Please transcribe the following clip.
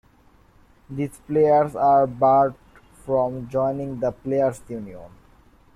These players are barred from joining the players' union.